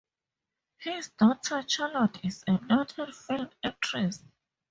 His daughter Charlotte is a noted film actress.